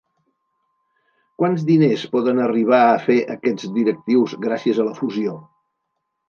Quants diners poden arribar a fer aquests directius gràcies a la fusió?